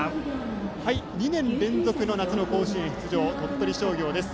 ２年連続の夏の甲子園出場鳥取商業です。